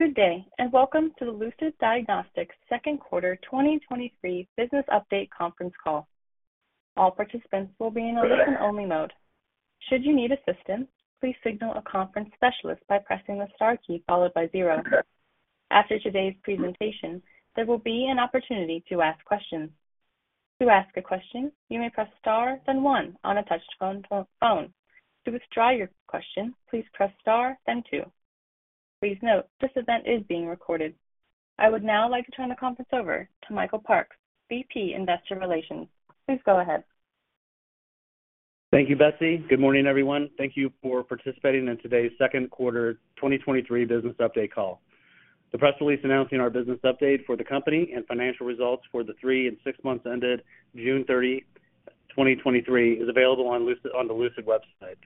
Good day. Welcome to the Lucid Diagnostics Second Quarter 2023 Business Update conference call. All participants will be in a listen-only mode. Should you need assistance, please signal a conference specialist by pressing the star key followed by 0. After today's presentation, there will be an opportunity to ask questions. To ask a question, you may press star, then 1 on a touch phone. To withdraw your question, please press star, then 2. Please note, this event is being recorded. I would now like to turn the conference over to Michael Parks, VP, Investor Relations. Please go ahead. Thank you, Betsy. Good morning, everyone. Thank you for participating in today's second quarter 2023 business update call. The press release announcing our business update for the company and financial results for the 3 and 6 months ended June 30, 2023, is available on the Lucid website.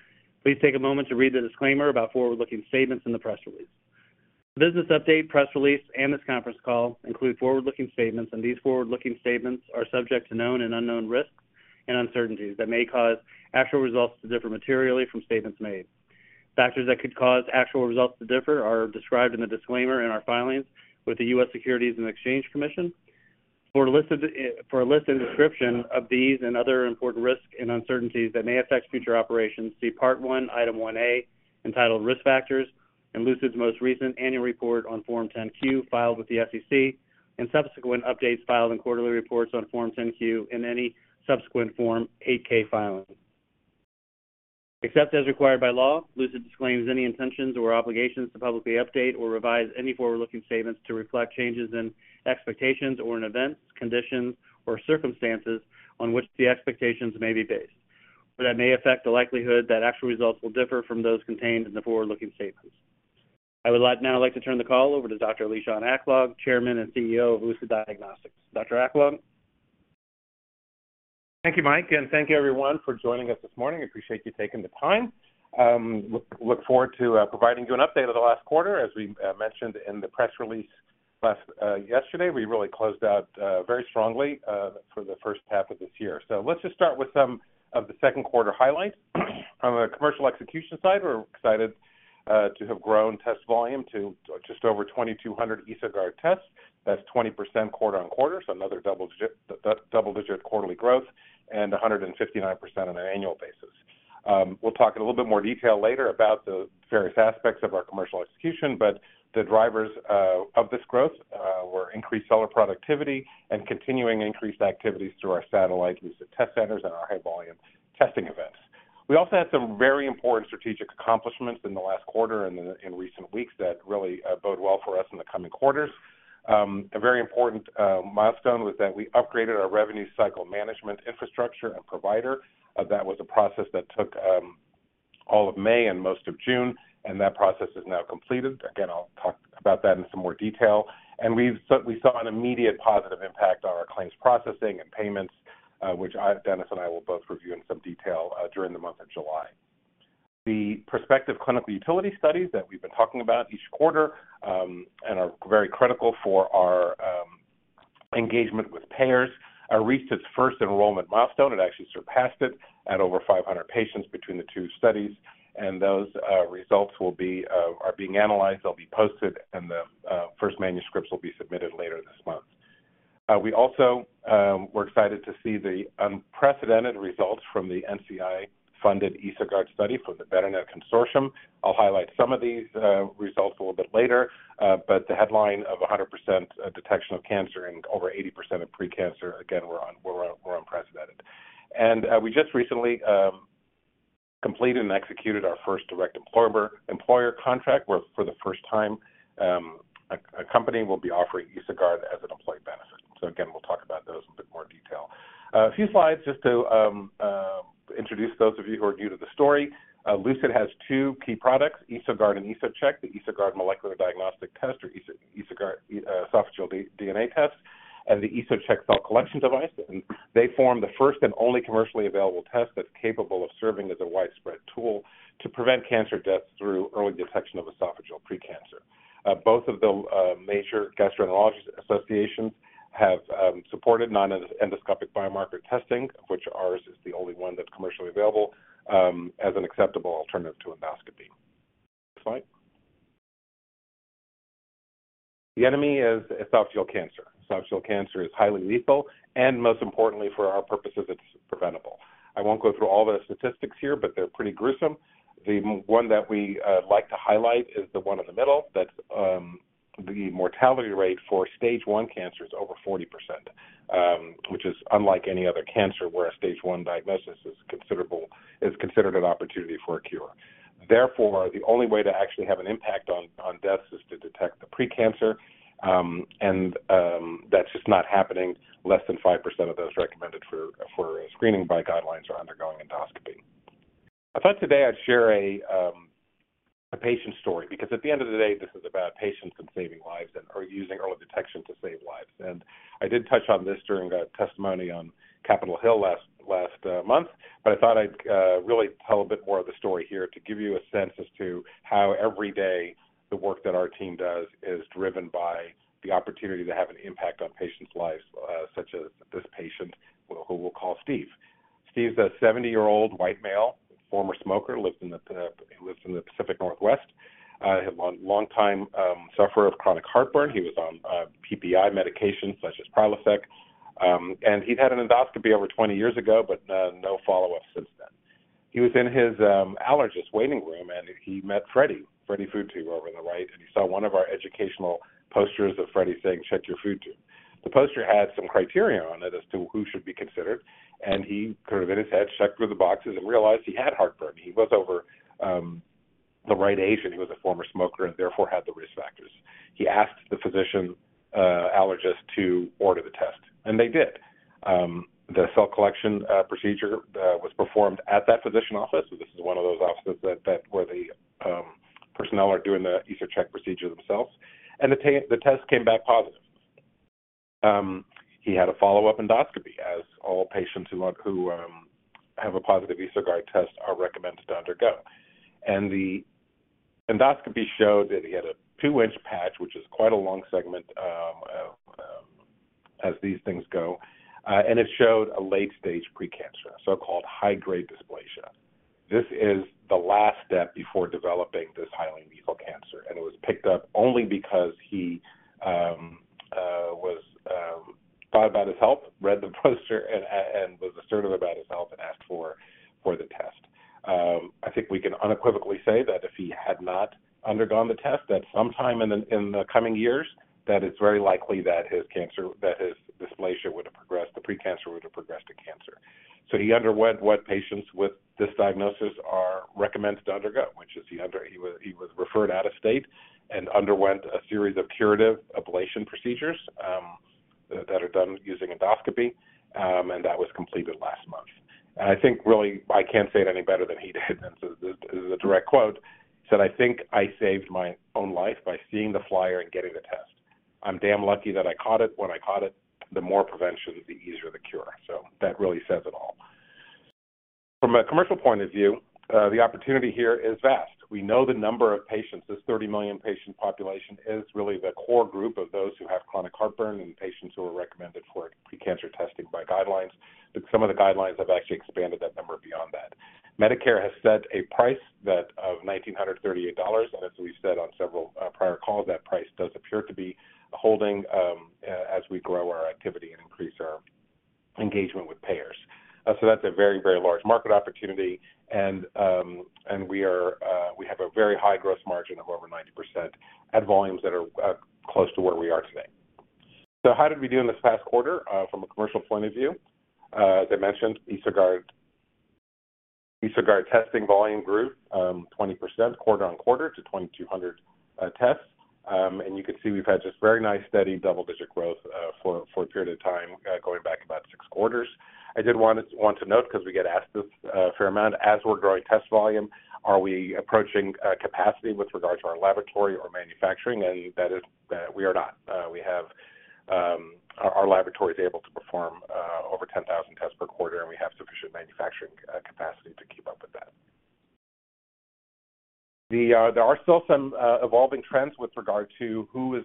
Please take a moment to read the disclaimer about forward-looking statements in the press release. The business update, press release, and this conference call include forward-looking statements, these forward-looking statements are subject to known and unknown risks and uncertainties that may cause actual results to differ materially from statements made. Factors that could cause actual results to differ are described in the disclaimer in our filings with the US Securities and Exchange Commission. For a list and description of these and other important risks and uncertainties that may affect future operations, see Part one, Item 1A, entitled Risk Factors, and Lucid's most recent annual report on Form 10-Q, filed with the SEC, and subsequent updates filed in quarterly reports on Form 10-Q, and any subsequent Form 8-K filings. Except as required by law, Lucid disclaims any intentions or obligations to publicly update or revise any forward-looking statements to reflect changes in expectations or in events, conditions, or circumstances on which the expectations may be based, or that may affect the likelihood that actual results will differ from those contained in the forward-looking statements. I would now like to turn the call over to Dr. Lishan Aklog, Chairman and CEO of Lucid Diagnostics. Dr. Aklog? Thank you, Mike. Thank you everyone for joining us this morning. I appreciate you taking the time. Look, look forward to providing you an update of the last quarter. As we mentioned in the press release last yesterday, we really closed out very strongly for the first half of this year. Let's just start with some of the second quarter highlights. From a commercial execution side, we're excited to have grown test volume to just over 2,200 EsoGuard tests. That's 20% quarter-over-quarter, another double-digit quarterly growth, 159% on an annual basis. We'll talk in a little bit more detail later about the various aspects of our commercial execution, but the drivers of this growth were increased seller productivity and continuing increased activities through our satellite Lucid Test Centers and our high-volume testing events. We also had some very important strategic accomplishments in the last quarter and in recent weeks that really bode well for us in the coming quarters. A very important milestone was that we upgraded our revenue cycle management infrastructure and provider. That was a process that took all of May and most of June, and that process is now completed. Again, I'll talk about that in some more detail. We've-- we saw an immediate positive impact on our claims processing and payments, which I, Dennis and I will both review in some detail during the month of July. The prospective clinical utility studies that we've been talking about each quarter, and are very critical for our engagement with payers, reached its first enrollment milestone. It actually surpassed it at over 500 patients between the two studies, and those results will be are being analyzed. They'll be posted, and the first manuscripts will be submitted later this month. We also, we're excited to see the unprecedented results from the NCI-funded EsoGuard study from the BETRNet Consortium. I'll highlight some of these results a little bit later, the headline of 100% detection of cancer and over 80% of pre-cancer, again, were unprecedented. We just recently completed and executed our first direct employer, employer contract, where for the first time, a company will be offering EsoGuard as an employee benefit. Again, we'll talk about those in a bit more detail. A few slides just to introduce those of you who are new to the story. Lucid has two key products, EsoGuard and EsoCheck, the EsoGuard Esophageal DNA Test, or EsoGuard esophageal DNA test, and the EsoCheck Cell Collection Device. They form the first and only commercially available test that's capable of serving as a widespread tool to prevent cancer deaths through early detection of esophageal pre-cancer. Both of the major gastroenterologist associations have supported non-endoscopic biomarker testing, which ours is the only one that's commercially available, as an acceptable alternative to endoscopy. Next slide. The enemy is esophageal cancer. Esophageal cancer is highly lethal, most importantly, for our purposes, it's preventable. I won't go through all the statistics here, they're pretty gruesome. The one that we like to highlight is the 1 in the middle. That's the mortality rate for stage one cancer is over 40%, which is unlike any other cancer, where a stage one diagnosis is considered an opportunity for a cure. Therefore, the only way to actually have an impact on, on deaths is to detect the pre-cancer, that's just not happening. Less than 5% of those recommended for screening by guidelines are undergoing endoscopy. I thought today I'd share a patient story, because at the end of the day, this is about patients and saving lives and/or using early detection to save lives. I did touch on this during the testimony on Capitol Hill last, last month, but I thought I'd really tell a bit more of the story here to give you a sense as to how every day, the work that our team does is driven by the opportunity to have an impact on patients' lives, such as this patient, who we'll call Steve. Steve's a 70-year-old white male, former smoker, lives in the, he lives in the Pacific Northwest, he's a long, longtime sufferer of chronic heartburn. He was on PPI medication, such as Prilosec, he'd had an endoscopy over 20 years ago, but no follow-up since then. He was in his allergist's waiting room, and he met Freddie, Freddie Food Tube over on the right. He saw one of our educational posters of Freddie saying, "Check Your Food Tube." The poster had some criteria on it as to who should be considered, and he kind of, in his head, checked through the boxes and realized he had heartburn. He was over the right age, and he was a former smoker and therefore had the risk factors. He asked the physician, allergist, to order the test, and they did. The cell collection procedure was performed at that physician office. This is one of those offices that, that where the personnel are doing the EsoCheck procedure themselves. The test, the test came back positive. He had a follow-up endoscopy, as all patients who have a positive EsoGuard test are recommended to undergo. And the endoscopy showed that he had a 2-inch patch, which is quite a long segment, as these things go, and it showed a late-stage precancer, so-called high-grade dysplasia. This is the last step before developing this highly lethal cancer, and it was picked up only because he was thought about his health, read the poster, and was assertive about his health and asked for, for the test. I think we can unequivocally say that if he had not undergone the test, that sometime in the, in the coming years, that it's very likely that his cancer, that his dysplasia would have progressed, the precancer would have progressed to cancer. He underwent what patients with this diagnosis are recommended to undergo, which is He was, he was referred out of state and underwent a series of curative ablation procedures, that are done using endoscopy, and that was completed last month. I think really, I can't say it any better than he did. This is a, this is a direct quote. He said, "I think I saved my own life by seeing the flyer and getting the test. I'm damn lucky that I caught it when I caught it. The more prevention, the easier the cure." That really says it all. From a commercial point of view, the opportunity here is vast. We know the number of patients, this 30 million patient population, is really the core group of those who have chronic heartburn and patients who are recommended for precancer testing by guidelines, but some of the guidelines have actually expanded that number beyond that. Medicare has set a price, that of $1,938, and as we've said on several prior calls, that price does appear to be holding as we grow our activity and increase our engagement with payers. That's a very, very large market opportunity, and we are, we have a very high gross margin of over 90% at volumes that are close to where we are today. How did we do in this past quarter from a commercial point of view? As I mentioned, EsoGuard, EsoGuard testing volume grew 20% quarter on quarter to 2,200 tests. You can see we've had this very nice, steady double-digit growth for, for a period of time, going back about six quarters. I did want to, want to note, because we get asked this a fair amount, as we're growing test volume, are we approaching capacity with regard to our laboratory or manufacturing? That is, we are not. We have. Our, our laboratory is able to perform over 10,000 tests per quarter, and we have sufficient manufacturing capacity to keep up with that. There are still some evolving trends with regard to who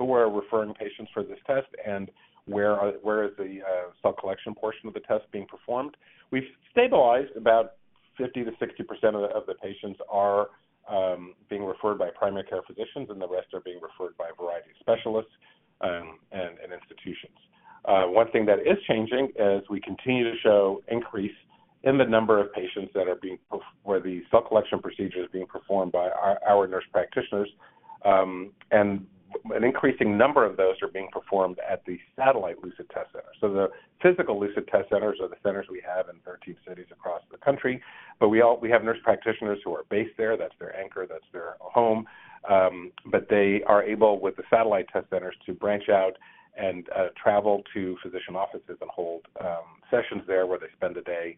we're referring patients for this test and where are, where is the cell collection portion of the test being performed. We've stabilized. About 50%-60% of the patients are being referred by primary care physicians, and the rest are being referred by a variety of specialists and institutions. One thing that is changing as we continue to show increase in the number of patients that are being where the cell collection procedure is being performed by our nurse practitioners, and an increasing number of those are being performed at the satellite Lucid Test Centers. The physical Lucid Test Centers are the centers we have in 13 cities across the country, but we have nurse practitioners who are based there. That's their anchor, that's their home. They are able, with the satellite Lucid Test Centers, to branch out and travel to physician offices and hold sessions there, where they spend the day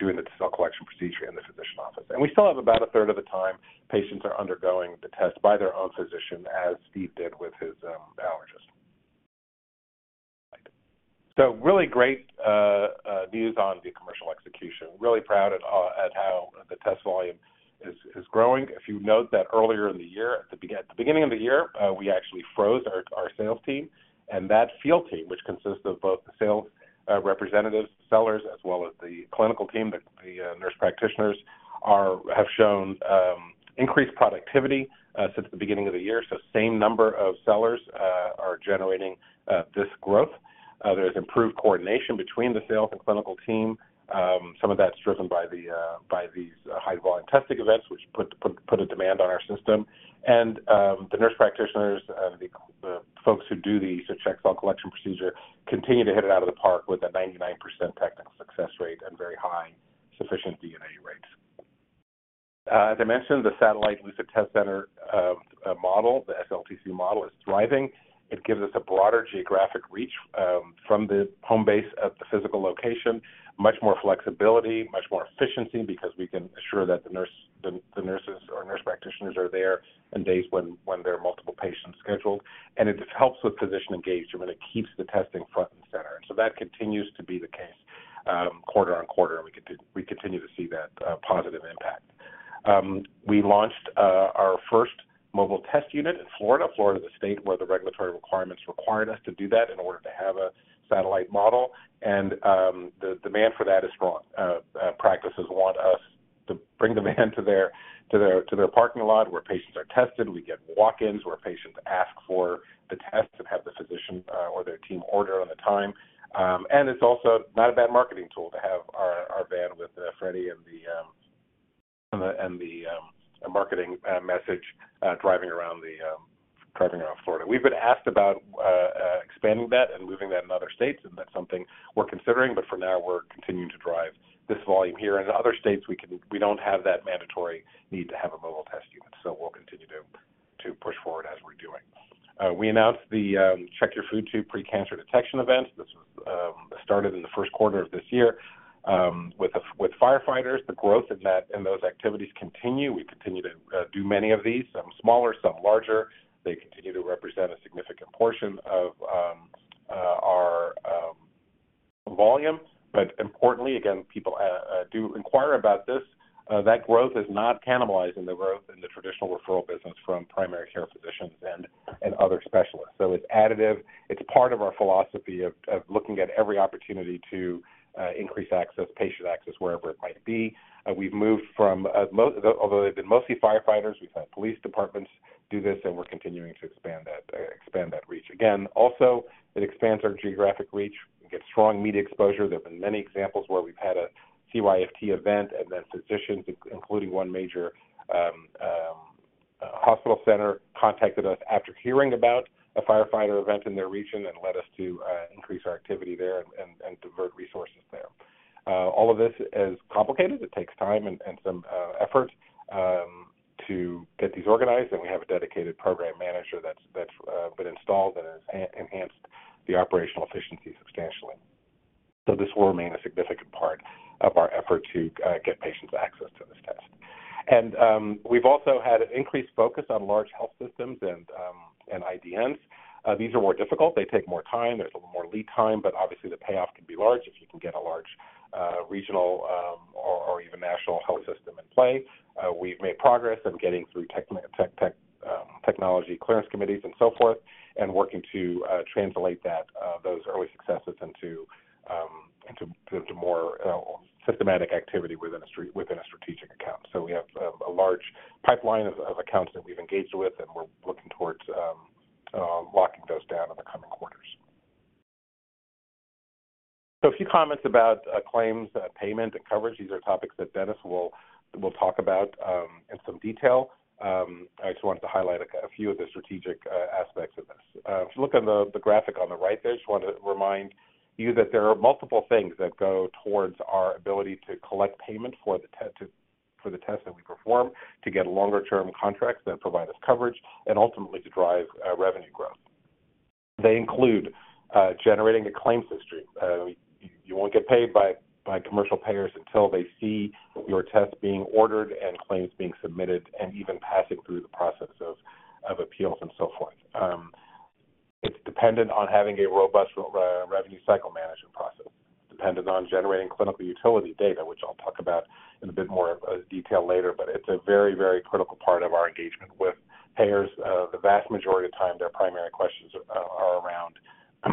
doing the cell collection procedure in the physician office. We still have about a third of the time, patients are undergoing the test by their own physician, as Steve did with his allergist. Really great news on the commercial execution. Really proud at how the test volume is, is growing. If you note that earlier in the year, at the beginning of the year, we actually froze our, our sales team. That field team, which consists of both the sales representatives, sellers, as well as the clinical team, the nurse practitioners, have shown increased productivity since the beginning of the year. Same number of sellers are generating this growth. There's improved coordination between the sales and clinical team. Some of that's driven by these high-volume testing events, which put a demand on our system. The nurse practitioners, the folks who do the EsoCheck cell collection procedure, continue to hit it out of the park with a 99% technical success rate and very high sufficient DNA rates. As I mentioned, the satellite Lucid Test Center model, the SLTC model, is thriving. It gives us a broader geographic reach from the home base of the physical location, much more flexibility, much more efficiency, because we can assure that the nurse, the, the nurses or nurse practitioners are there on days when, when there are multiple patients scheduled. It just helps with physician engagement, and it keeps the testing front and center. That continues to be the case quarter-on-quarter, and we continue, we continue to see that positive impact. We launched our first mobile test unit in Florida. Florida is a state where the regulatory requirements required us to do that in order to have a satellite model. The demand for that is strong. Practices want us to bring the van to their, to their, to their parking lot, where patients are tested. We get walk-ins, where patients ask for the test and have the physician, or their team order on the time. It's also not a bad marketing tool to have our, our van with, Freddie and the, and the, and marketing, message, driving around the, driving around Florida. We've been asked about, expanding that and moving that in other states, and that's something we're considering, but for now, we're continuing to drive this volume here. In other states, we don't have that mandatory need to have a mobile test unit, so we'll continue to, to push forward as we're doing. We announced the Check Your Food Tube pre-cancer detection event. This started in the first quarter of this year, with the, with firefighters. The growth in that, in those activities continue. We continue to do many of these, some smaller, some larger. They continue to represent a significant portion of our volume. Importantly, again, people do inquire about this. That growth is not cannibalizing the growth in the traditional referral business from primary care physicians and other specialists. It's additive. It's part of our philosophy of looking at every opportunity to increase access, patient access, wherever it might be. We've moved from most. Although they've been mostly firefighters, we've had police departments do this, and we're continuing to expand that expand that reach. Again, also, it expands our geographic reach. We get strong media exposure. There have been many examples where we've had a CYFT event, and then physicians, including one major hospital center, contacted us after hearing about a firefighter event in their region and led us to increase our activity there and, and, and divert resources there. All of this is complicated. It takes time and, and some effort to get these organized, and we have a dedicated program manager that's been installed and has enhanced the operational efficiency substantially. This will remain a significant part of our effort to get patients access to this test. We've also had an increased focus on large health systems and IDNs. These are more difficult. They take more time. There's a little more lead time, but obviously, the payoff can be large if you can get a large, regional, or even national health system in play. We've made progress in getting through technology clearance committees and so forth, and working to translate that, those early successes into, into more systematic activity within a strategic account. So we have a large pipeline of accounts that we've engaged with, and we're looking towards locking those down in the coming quarters. So a few comments about claims, payment, and coverage. These are topics that Dennis will talk about in some detail. I just wanted to highlight a few of the strategic aspects of this. If you look on the graphic on the right there, I just want to remind you that there are multiple things that go towards our ability to collect payment for the tests that we perform, to get longer-term contracts that provide us coverage, and ultimately, to drive revenue growth. They include generating a claims history. You, you won't get paid by commercial payers until they see your test being ordered and claims being submitted and even passing through the process of appeals and so forth. It's dependent on having a robust revenue cycle management process, dependent on generating clinical utility data, which I'll talk about in a bit more detail later. It's a very, very critical part of our engagement with payers. The vast majority of time, their primary questions are around,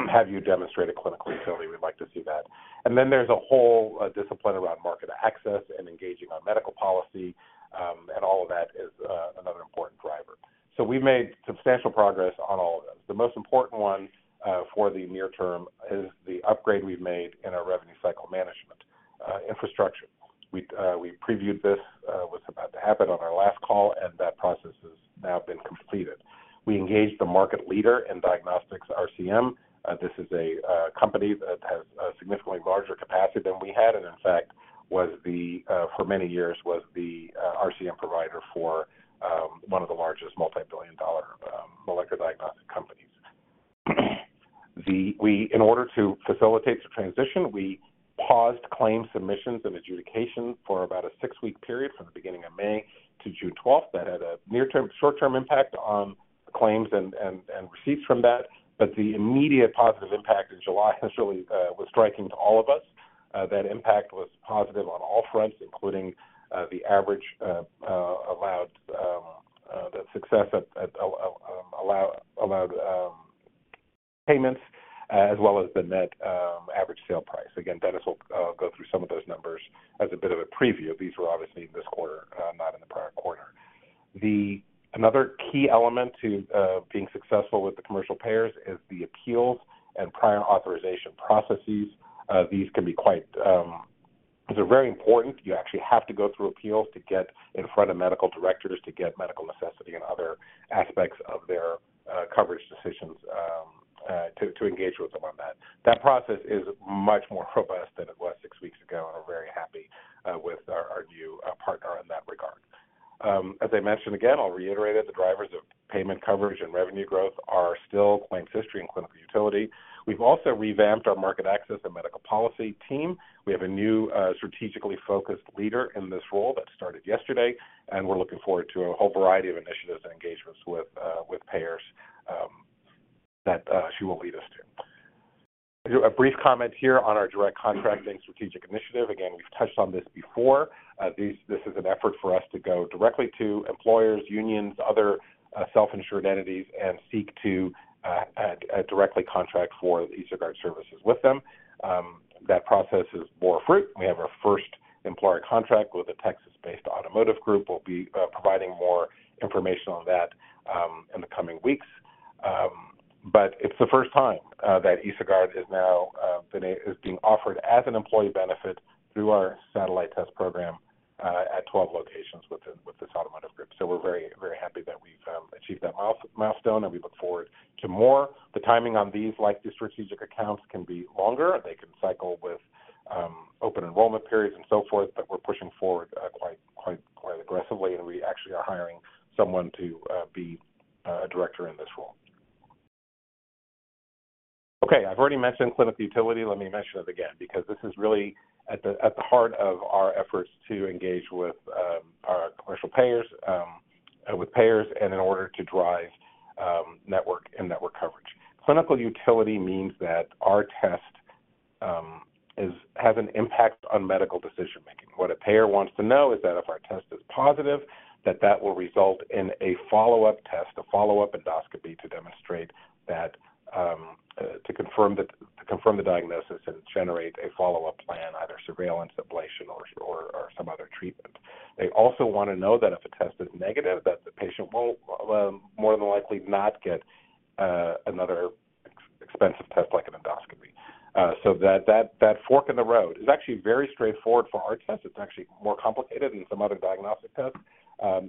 "Have you demonstrated clinical utility? We'd like to see that." Then there's a whole discipline around market access and engaging on medical policy, and all of that is another important driver. We've made substantial progress on all of those. The most important one for the near term is the upgrade we've made in our revenue cycle management infrastructure. We previewed this was about to happen on our last call, and that process has now been completed. We engaged the market leader in diagnostics, RCM. This is a company that has a significantly larger capacity than we had, and in fact, was the for many years, was the RCM provider for one of the largest multi-billion dollar molecular diagnostic companies. We, in order to facilitate the transition, we paused claims, submissions, and adjudication for about a six week period from the beginning of May to June 12th. That had a near-term, short-term impact on claims and, and, and receipts from that, but the immediate positive impact in July has really was striking to all of us. That impact was positive on all fronts, including the average allowed, the success at allowed payments, as well as the net average sale price. Again, Dennis will go through some of those numbers as a bit of a preview. These were obviously this quarter, not in the prior quarter. Another key element to being successful with the commercial payers is the appeals and prior authorization processes. These can be quite. These are very important. You actually have to go through appeals to get in front of medical directors, to get medical necessity and other aspects of their coverage decisions, to engage with them on that. That process is much more robust than it was six weeks ago, and we're very happy with our new partner in that regard. As I mentioned, again, I'll reiterate it, the drivers of payment coverage and revenue growth are still claims history and clinical utility. We've also revamped our market access and medical policy team. We have a new strategically focused leader in this role that started yesterday, and we're looking forward to a whole variety of initiatives and engagements with payers that she will lead us to. I'll do a brief comment here on our direct contracting strategic initiative. Again, we've touched on this before. These, this is an effort for us to go directly to employers, unions, other, self-insured entities, and seek to, directly contract for the EsoGuard services with them. That process has bore fruit. We have our first employer contract with a Texas-based automotive group. We'll be providing more information on that in the coming weeks. It's the first time that EsoGuard is now been a- is being offered as an employee benefit through our satellite test program at 12 locations within- with this automotive group. We're very, very happy that we've achieved that mile- milestone, and we look forward to more. The timing on these, like the strategic accounts, can be longer. They can cycle with open enrollment periods and so forth, but we're pushing forward quite, quite, quite aggressively, and we actually are hiring someone to be a director in this role. Okay, I've already mentioned clinical utility. Let me mention it again, because this is really at the heart of our efforts to engage with our commercial payers, with payers, and in order to drive network and network coverage. Clinical utility means that our test has an impact on medical decision-making. What a payer wants to know is that if our test is positive, that that will result in a follow-up test, a follow-up endoscopy, to demonstrate that to confirm the, to confirm the diagnosis and generate a follow-up plan, either surveillance, ablation, or, or, or some other treatment. They also want to know that if a test is negative, that the patient will more than likely not get another expensive test like an endoscopy. That fork in the road is actually very straightforward for our test. It's actually more complicated than some other diagnostic tests.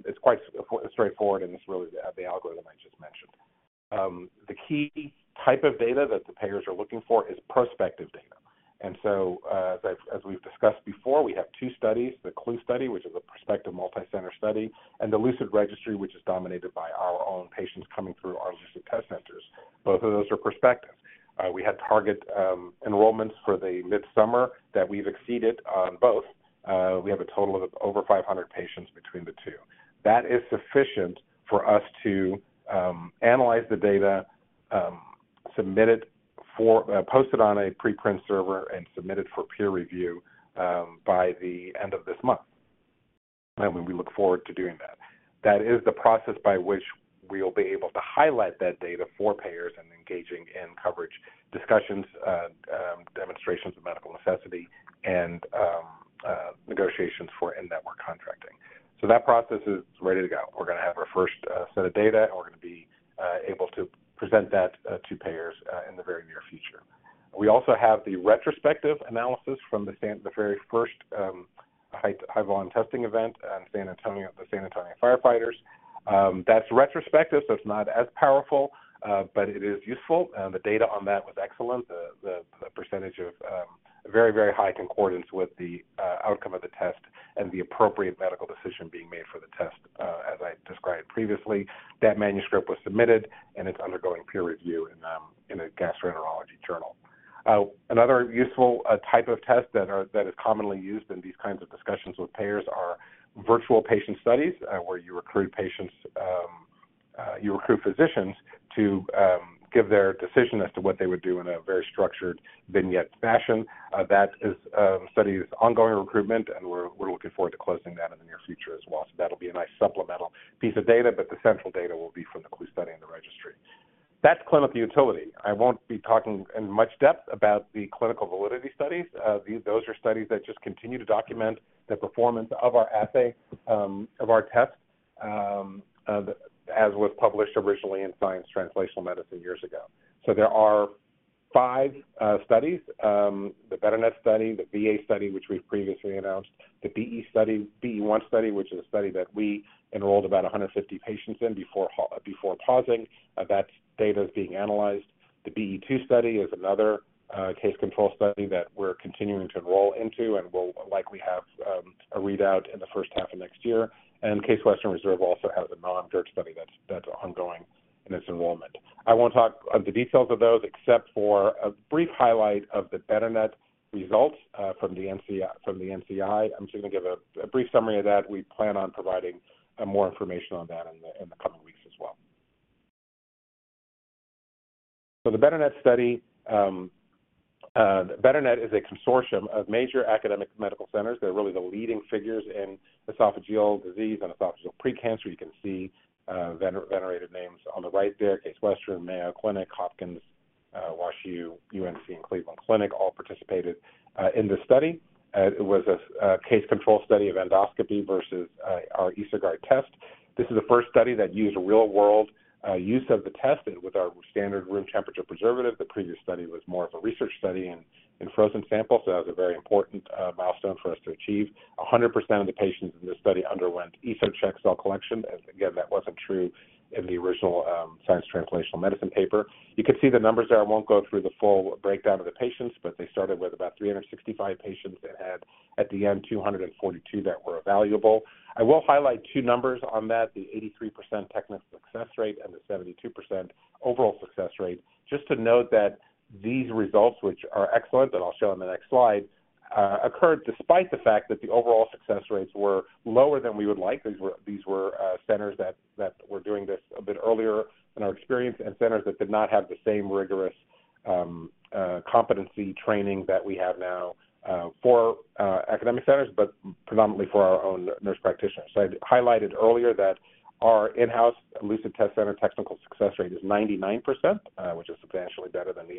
It's quite straightforward, and it's really the algorithm I just mentioned. The key type of data that the payers are looking for is prospective data. As we've discussed before, we have two studies: the CLUE study, which is a prospective multicenter study, and the LUCID registry, which is dominated by our own patients coming through our LUCID test centers. Both of those are prospective. We had target enrollments for the midsummer that we've exceeded on both. We have a total of over 500 patients between the two. That is sufficient for us to analyze the data, submit it for, post it on a preprint server, and submit it for peer review by the end of this month. We look forward to doing that. That is the process by which we'll be able to highlight that data for payers and engaging in coverage discussions, demonstrations of medical necessity, and negotiations for in-network contracting. That process is ready to go. We're going to have our first set of data, and we're going to be able to present that to payers in the very near future. We also have the retrospective analysis from the very first HighVon testing event in San Antonio, the San Antonio firefighters. That's retrospective, so it's not as powerful, but it is useful. The data on that was excellent. The, the, the percentage of very, very high concordance with the outcome of the test and the appropriate medical decision being made for the test, as I described previously. That manuscript was submitted, and it's undergoing peer review in a gastroenterology journal. Another useful type of test that is commonly used in these kinds of discussions with payers are virtual patient studies, where you recruit patients, you recruit physicians to give their decision as to what they would do in a very structured vignette fashion. That is, study is ongoing recruitment, and we're, we're looking forward to closing that in the near future as well. That'll be a nice supplemental piece of data, but the central data will be from the CLUE Study and the registry. That's clinical utility. I won't be talking in much depth about the clinical validity studies. Those are studies that just continue to document the performance of our assay, of our test, as was published originally in Science Translational Medicine years ago. There are 5 studies: the BETRNet study; the VA Study, which we've previously announced; the BE Study, BE-1 Study, which is a study that we enrolled about 150 patients in before pausing. That data is being analyzed. The BE-2 Study is another case-control study that we're continuing to enroll into and will likely have a readout in the first half of next year. Case Western Reserve also has a non-drug study that's, that's ongoing in its enrollment. I won't talk on the details of those, except for a brief highlight of the BETRNet results from the NCI. I'm just going to give a brief summary of that. We plan on providing more information on that in the coming weeks as well. The BETRNet study, BETRNet is a consortium of major academic medical centers. They're really the leading figures in esophageal disease and esophageal pre-cancer. You can see venerated names on the right there. Case Western, Mayo Clinic, Hopkins, WashU, UNC, and Cleveland Clinic all participated in this study. It was a case-control study of endoscopy versus our EsoGuard test. This is the first study that used real-world, use of the test and with our standard room temperature preservative. The previous study was more of a research study and, and frozen samples, that was a very important, milestone for us to achieve. 100% of the patients in this study underwent EsoCheck cell collection. Again, that wasn't true in the original, Science Translational Medicine paper. You can see the numbers there. I won't go through the full breakdown of the patients, but they started with about 365 patients and had, at the end, 242 that were valuable. I will highlight 2 numbers on that: the 83% technical success rate and the 72% overall success rate. Just to note that these results, which are excellent, and I'll show in the next slide-... occurred despite the fact that the overall success rates were lower than we would like. These were, these were centers that, that were doing this a bit earlier in our experience, and centers that did not have the same rigorous competency training that we have now for academic centers, but predominantly for our own nurse practitioners. I highlighted earlier that our in-house Lucid Test Center technical success rate is 99%, which is substantially better than the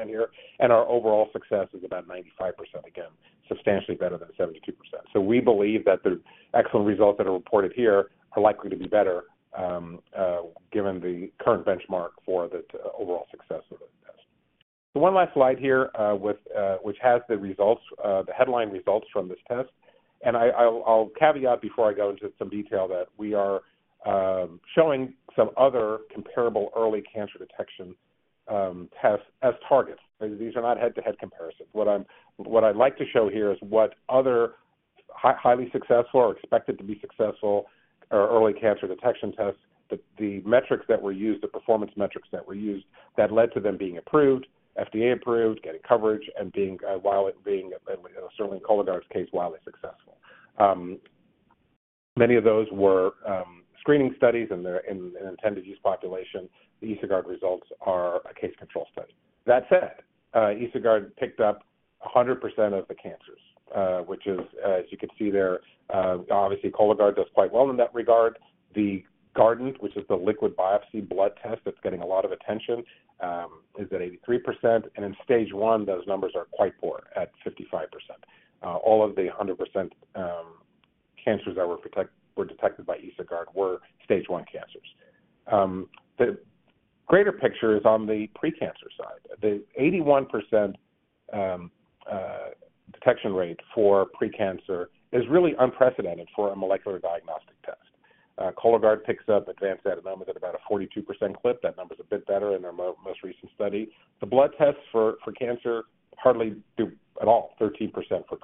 83% here, and our overall success is about 95%. Again, substantially better than 72%. We believe that the excellent results that are reported here are likely to be better given the current benchmark for the overall success of the test. One last slide here, with which has the results, the headline results from this test. I, I'll, I'll caveat before I go into some detail, that we are showing some other comparable early cancer detection tests as targets. These are not head-to-head comparisons. What I'd like to show here is what other highly successful or expected to be successful, or early cancer detection tests, that the metrics that were used, the performance metrics that were used, that led to them being approved, FDA approved, getting coverage, and being, while it being, certainly in Cologuard's case, wildly successful. Many of those were screening studies and their, in an intended use population. The EsoGuard results are a case-control study. That said, EsoGuard picked up 100% of the cancers, which is, as you can see there, obviously, Cologuard does quite well in that regard. The Guardant, which is the liquid biopsy blood test that's getting a lot of attention, is at 83%, and in stage one, those numbers are quite poor at 55%. All of the 100% cancers that were detected by EsoGuard were stage one cancers. The greater picture is on the pre-cancer side. The 81% detection rate for pre-cancer is really unprecedented for a molecular diagnostic test. Cologuard picks up advanced adenomas at about a 42% clip. That number is a bit better in their most recent study. The blood tests for, for cancer hardly do at all, 13% for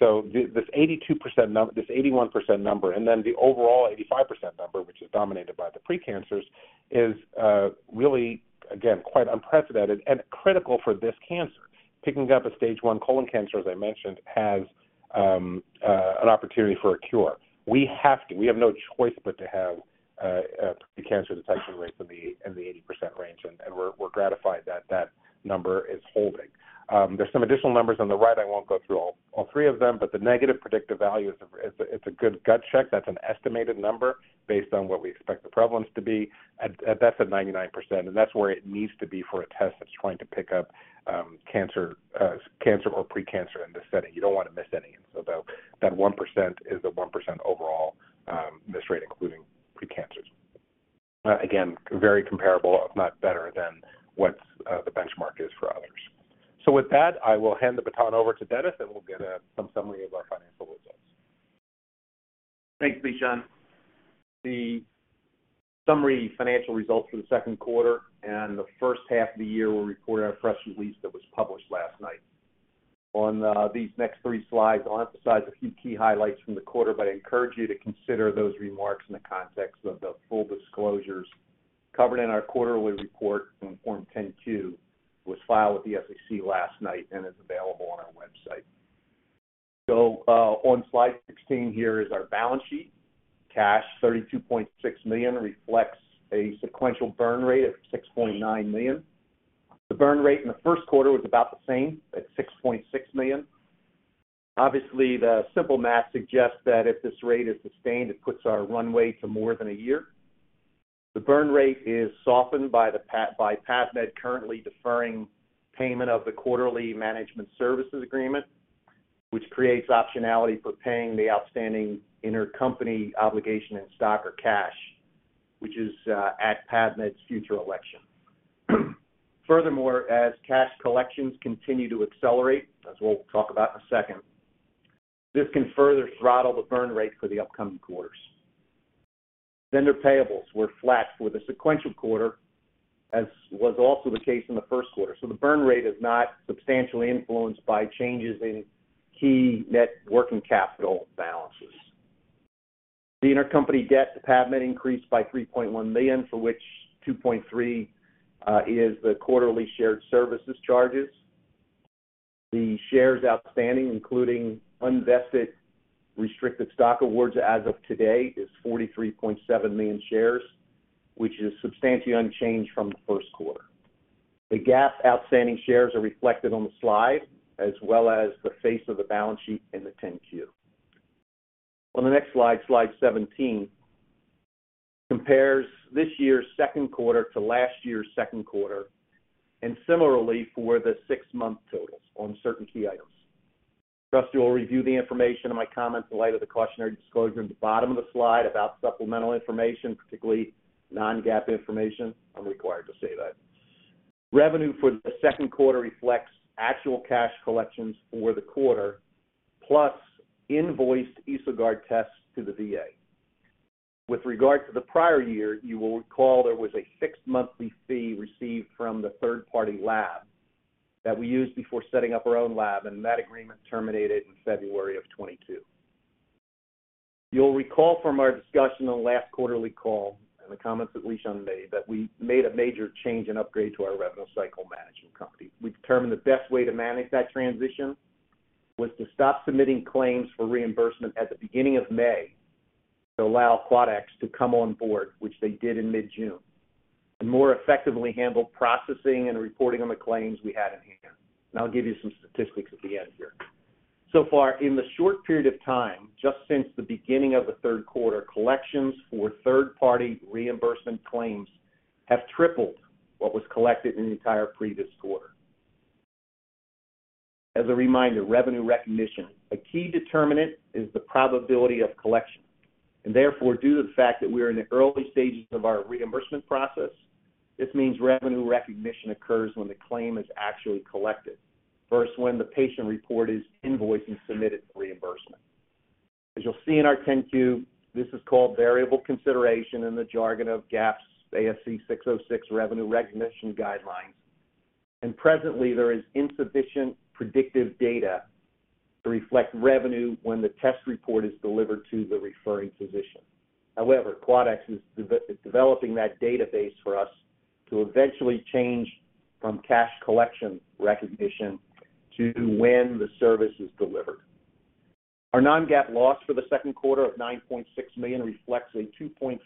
Guardant. The, this 82% num- this 81% number, and then the overall 85% number, which is dominated by the pre-cancers, is really, again, quite unprecedented and critical for this cancer. Picking up a stage one colon cancer, as I mentioned, has an opportunity for a cure. We have to. We have no choice but to have a pre-cancer detection rates in the, in the 80% range, and we're, we're gratified that that number is holding. There's some additional numbers on the right. I won't go through all, all three of them, but the negative predictive value is a, it's a, it's a good gut check. That's an estimated number based on what we expect the prevalence to be, and that's at 99%, and that's where it needs to be for a test that's trying to pick up cancer or pre-cancer in this setting. You don't want to miss any. That 1% is the 1% overall miss rate, including pre-cancers. Again, very comparable, if not better, than what's the benchmark is for others. With that, I will hand the baton over to Dennis, and we'll get some summary of our financial results. Thanks, Lishan. The summary financial results for the 2nd quarter and the 1st half of the year were reported on a press release that was published last night. These next 3 slides, I'll emphasize a few key highlights from the quarter, but I encourage you to consider those remarks in the context of the full disclosures covered in our quarterly report from Form 10-Q, which was filed with the SEC last night and is available on our website. On slide 16, here is our balance sheet. Cash, $32.6 million, reflects a sequential burn rate of $6.9 million. The burn rate in the 1st quarter was about the same at $6.6 million. Obviously, the simple math suggests that if this rate is sustained, it puts our runway to more than one year. The burn rate is softened by PAVmed, currently deferring payment of the quarterly management services agreement, which creates optionality for paying the outstanding intercompany obligation in stock or cash, which is at PAVmed's future election. Furthermore, as cash collections continue to accelerate, as we'll talk about in a second, this can further throttle the burn rate for the upcoming quarters. Vendor payables were flat for the sequential quarter, as was also the case in the first quarter. The burn rate is not substantially influenced by changes in key net working capital balances. The intercompany debt to PAVmed increased by $3.1 million, for which $2.3 million is the quarterly shared services charges. The shares outstanding, including unvested restricted stock awards as of today, is 43.7 million shares, which is substantially unchanged from the first quarter. The GAAP outstanding shares are reflected on the slide, as well as the face of the balance sheet in the 10-Q. On the next slide, slide 17, compares this year's second quarter to last year's second quarter, and similarly for the six-month totals on certain key items. Trust you will review the information in my comments in light of the cautionary disclosure in the bottom of the slide about supplemental information, particularly non-GAAP information. I'm required to say that. Revenue for the second quarter reflects actual cash collections for the quarter, plus invoiced EsoGuard tests to the VA. With regard to the prior year, you will recall there was a six-monthly fee received from the third-party lab that we used before setting up our own lab, and that agreement terminated in February of 2022. You'll recall from our discussion on the last quarterly call and the comments that Lishan made, that we made a major change and upgrade to our revenue cycle management company. We determined the best way to manage that transition was to stop submitting claims for reimbursement at the beginning of May, to allow Quadax to come on board, which they did in mid-June, and more effectively handle processing and reporting on the claims we had in hand. I'll give you some statistics at the end here. So far, in the short period of time, just since the beginning of the third quarter, collections for third-party reimbursement claims have tripled what was collected in the entire previous quarter. As a reminder, revenue recognition, a key determinant is the probability of collection, and therefore, due to the fact that we are in the early stages of our reimbursement process, this means revenue recognition occurs when the claim is actually collected, versus when the patient report is invoiced and submitted for reimbursement. As you'll see in our 10-Q, this is called variable consideration in the jargon of GAAP's ASC 606 revenue recognition guidelines. Presently, there is insufficient predictive data to reflect revenue when the test report is delivered to the referring physician. However, Quadax is developing that database for us to eventually change from cash collection recognition to when the service is delivered. Our non-GAAP loss for the second quarter of $9.6 million reflects a 2.4%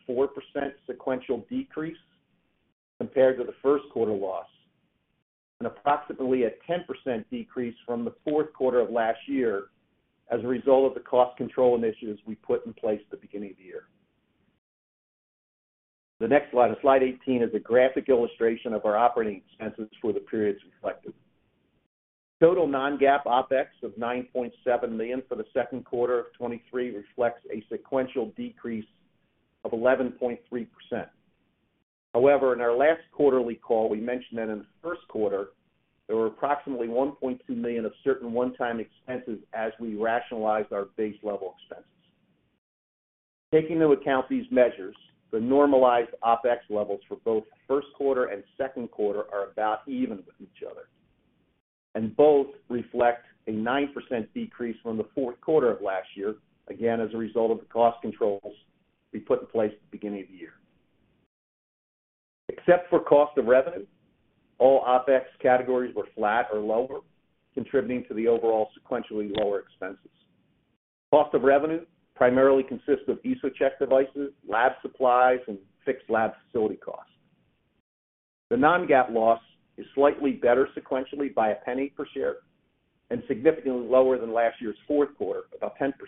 sequential decrease compared to the first quarter loss. Approximately a 10% decrease from the fourth quarter of last year as a result of the cost control initiatives we put in place at the beginning of the year. The next slide, slide 18, is a graphic illustration of our operating expenses for the periods reflected. Total non-GAAP OpEx of $9.7 million for the second quarter of 2023 reflects a sequential decrease of 11.3%. However, in our last quarterly call, we mentioned that in the first quarter, there were approximately $1.2 million of certain one-time expenses as we rationalized our base level expenses. Taking into account these measures, the normalized OpEx levels for both first quarter and second quarter are about even with each other, both reflect a 9% decrease from the fourth quarter of last year, again, as a result of the cost controls we put in place at the beginning of the year. Except for cost of revenue, all OpEx categories were flat or lower, contributing to the overall sequentially lower expenses. Cost of revenue primarily consists of EsoCheck devices, lab supplies, and fixed lab facility costs. The non-GAAP loss is slightly better sequentially by $0.01 per share and significantly lower than last year's fourth quarter, about $0.10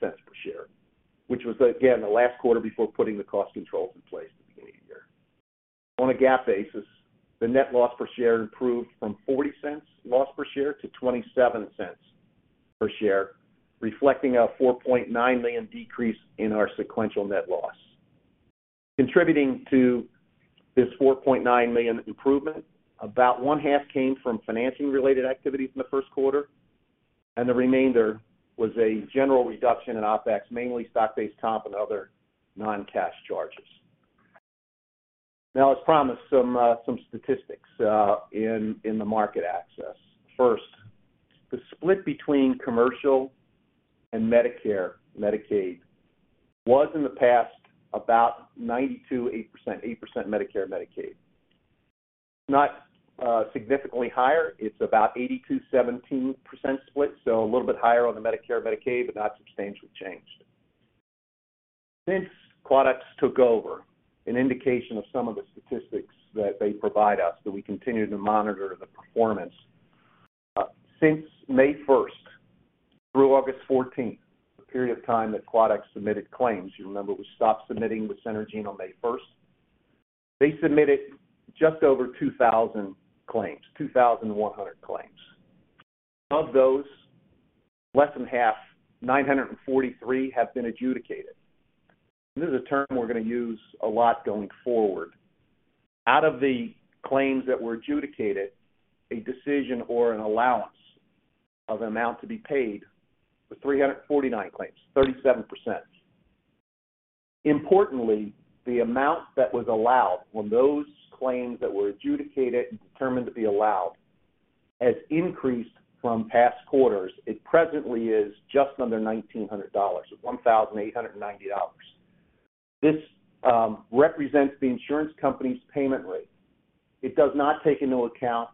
per share, which was again, the last quarter before putting the cost controls in place at the beginning of the year. On a GAAP basis, the net loss per share improved from $0.40 loss per share to $0.27 per share, reflecting a $4.9 million decrease in our sequential net loss. Contributing to this $4.9 million improvement, about one half came from financing-related activities in the first quarter, and the remainder was a general reduction in OpEx, mainly stock-based compensation and other non-cash charges. As promised, some statistics in the market access. First, the split between commercial and Medicare, Medicaid was in the past about 92%, 8%. 8% Medicare, Medicaid. Not significantly higher. It's about 82%, 17% split, so a little bit higher on the Medicare, Medicaid, but not substantially changed. Since Quadax took over, an indication of some of the statistics that they provide us, that we continue to monitor the performance. Since May 1st through August 14th, the period of time that Quadax submitted claims, you remember we stopped submitting with Centergene on May 1st. They submitted just over 2,000 claims, 2,100 claims. Of those, less than half, 943, have been adjudicated. This is a term we're going to use a lot going forward. Out of the claims that were adjudicated, a decision or an allowance of amount to be paid was 349 claims, 37%. Importantly, the amount that was allowed on those claims that were adjudicated and determined to be allowed, has increased from past quarters. It presently is just under $1,900, or $1,890. This represents the insurance company's payment rate. It does not take into account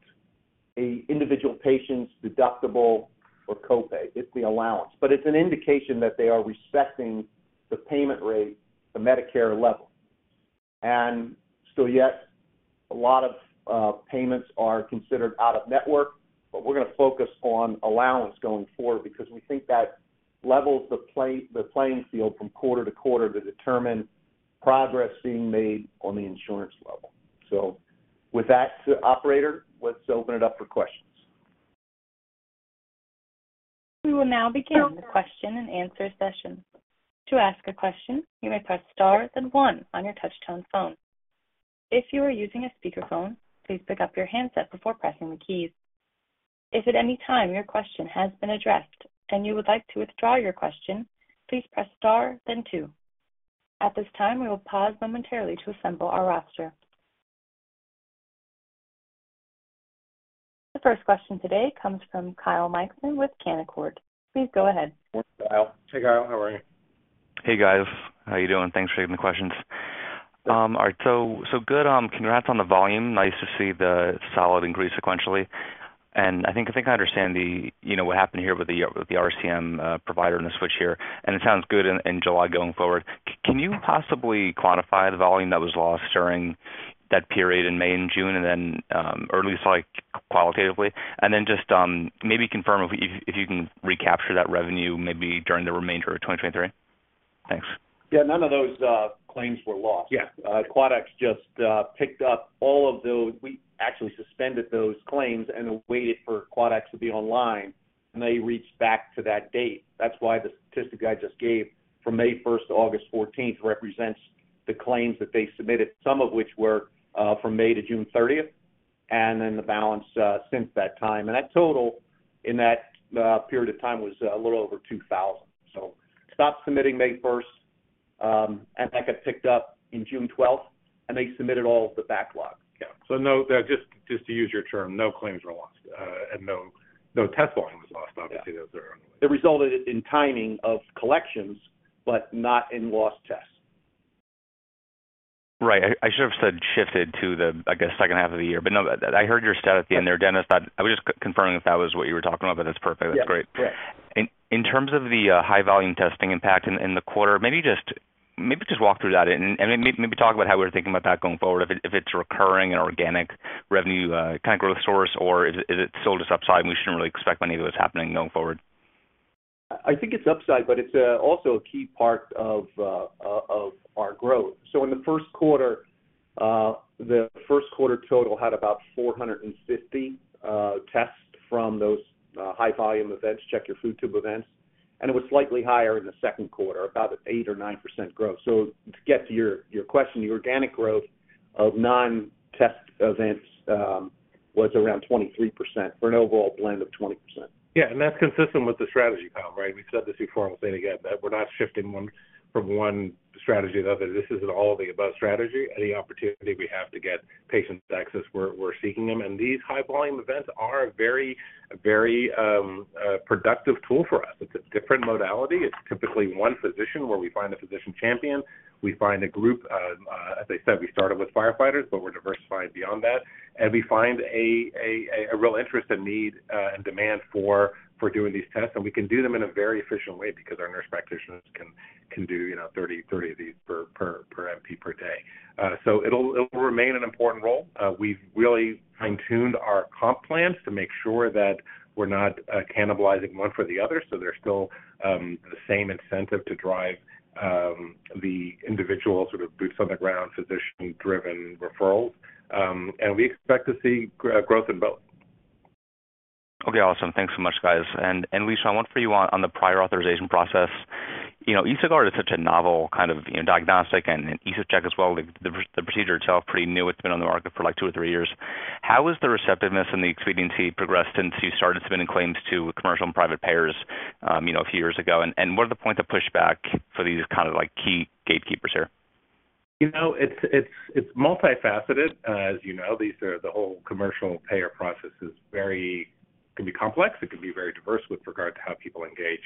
a individual patient's deductible or copay. It's the allowance. It's an indication that they are respecting the payment rate, the Medicare level. Yet, a lot of payments are considered out-of-network, but we're going to focus on allowance going forward because we think that levels the play, the playing field from quarter to quarter to determine progress being made on the insurance level. With that, operator, let's open it up for questions. We will now begin the question-and-answer session. To ask a question, you may press star then 1 on your touchtone phone. If you are using a speakerphone, please pick up your handset before pressing the keys. If at any time your question has been addressed and you would like to withdraw your question, please press star then 2. At this time, we will pause momentarily to assemble our roster. The first question today comes from Kyle Mikson with Canaccord. Please go ahead. Morning, Kyle. Hey, Kyle, how are you? Hey, guys. How are you doing? Thanks for taking the questions. All right, so, so good, congrats on the volume. Nice to see the solid increase sequentially. I think, I think I understand the, you know, what happened here with the, with the RCM provider and the switch here, and it sounds good in, in July going forward. Can you possibly quantify the volume that was lost during that period in May and June and then, or at least, like, qualitatively? Then just, maybe confirm if you, if you can recapture that revenue, maybe during the remainder of 2023. Thanks. Yeah, none of those, claims were lost. Yeah. Quadax just picked up all of those. We actually suspended those claims and waited for Quadax to be online, and they reached back to that date. That's why the statistic I just gave from May 1st to August 14th represents the claims that they submitted, some of which were from May to June 30th, and then the balance since that time. That total in that period of time was a little over 2,000. Stopped submitting May 1st, and that got picked up in June 12th, and they submitted all of the backlogs. Yeah. No, just, just to use your term, no claims were lost, and no, no test volume was lost. It resulted in timing of collections, but not in lost tests. Right. I, I should have said shifted to the, I guess, second half of the year. No, I heard your stat at the end there, Dennis, but I was just confirming if that was what you were talking about, but that's perfect. Yeah. That's great. Yeah. In terms of the high volume testing impact in the quarter, maybe just walk through that and maybe talk about how we're thinking about that going forward, if it's recurring and organic revenue, kind of growth source, or is it still just upside, and we shouldn't really expect any of it's happening going forward? I think it's upside, it's also a key part of our growth. In the 1st quarter, the 1st quarter total had about 450 tests from those high volume events, Check Your Food Tube events, and it was slightly higher in the 2nd quarter, about 8% or 9% growth. To get to your, your question, the organic growth of non-test events was around 23% for an overall blend of 20%. Yeah, that's consistent with the strategy, Kyle, right? We've said this before, and we'll say it again, that we're not shifting from one strategy to another. This is an all-of-the-above strategy. Any opportunity we have to get patients access, we're, we're seeking them. These high volume events are a very, very productive tool for us. It's a different modality. It's typically one physician where we find a physician champion, we find a group, as I said, we started with firefighters, but we're diversifying beyond that. We find a, a, a real interest and need, and demand for, for doing these tests. We can do them in a very efficient way because our nurse practitioners can, can do, you know, 30, 30 of these per, per, per MP per day. So it'll, it'll remain an important role. We've really fine-tuned our comp plans to make sure that we're not cannibalizing one for the other, so there's still the same incentive to drive the individual sort of boots-on-the-ground, physician-driven referrals. We expect to see growth in both. Okay, awesome. Thanks so much, guys. Lisa, one for you on, on the prior authorization process. You know, EsoGuard is such a novel kind of, you know, diagnostic and EsoCheck as well. The, the procedure itself, pretty new. It's been on the market for, like, two or three years. How is the receptiveness and the expediency progressed since you started submitting claims to commercial and private payers, you know, a few years ago? What are the points of pushback for these kind of, like, key gatekeepers here? You know, it's, it's, it's multifaceted. As you know, these are, the whole commercial payer process is very, can be complex, it can be very diverse with regard to how people engage.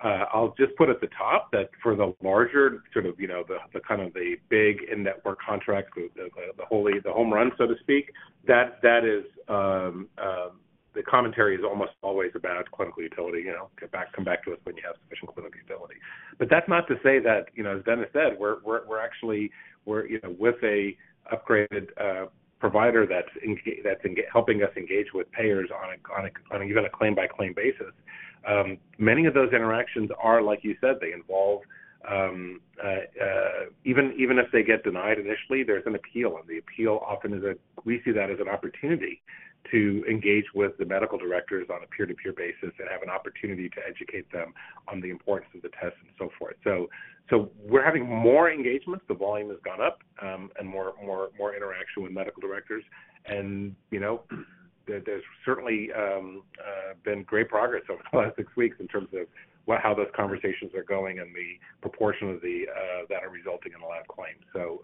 I'll just put at the top that for the larger sort of, you know, the, the kind of the big in-network contracts, the, the, the holy, the home run, so to speak, that, that is, the commentary is almost always about clinical utility. You know, get back, come back to us when you have sufficient clinical utility. That's not to say that, you know, as Dennis said, we're, we're, we're actually, we're, you know, with an upgraded provider that's helping us engage with payers on a, on a, on even a claim-by-claim basis. Many of those interactions are, like you said, they involve, even, even if they get denied initially, there's an appeal, and the appeal often is, we see that as an opportunity to engage with the medical directors on a peer-to-peer basis and have an opportunity to educate them on the importance of the test and so forth. We're having more engagements. The volume has gone up, and more, more, more interaction with medical directors. You know, there's certainly been great progress over the last six weeks in terms of what how those conversations are going and the proportion of the that are resulting in a lab claim.